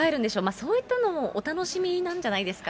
そういったのもお楽しみなんじゃないですか。